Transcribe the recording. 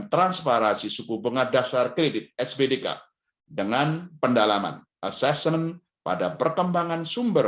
transparansi suku bunga dasar kredit sbdk dengan pendalaman assessment pada perkembangan sumber